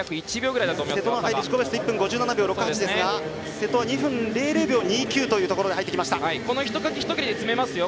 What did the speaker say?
瀬戸、２分００秒２９というタイムで入ってきました。